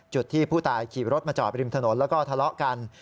จุดที่ผู้ตายขี่รถมาจอดริมถนนแล้วก็ทะเลาะกัน